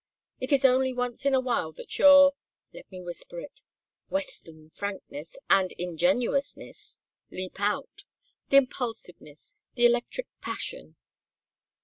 It is only once in a while that your let me whisper it Western frankness and ingenuousness leap out the impulsiveness, the electric passion.